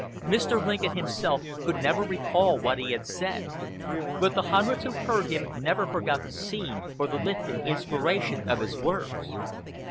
Mr. Lincoln himself could never recall what he had said; but the hundreds who heard him never forgot the scene or the lifting inspiration of his words.